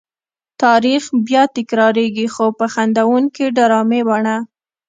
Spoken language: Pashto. تاریخ بیا تکرارېږي خو په خندوونکې ډرامې بڼه.